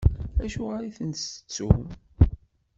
Acuɣeṛ i ten-tettum?